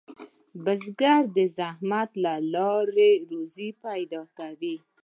بزګر د زحمت له لارې روزي پیدا کوي